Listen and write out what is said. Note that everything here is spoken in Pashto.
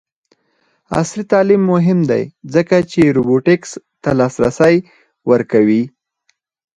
عصري تعلیم مهم دی ځکه چې روبوټکس ته لاسرسی ورکوي.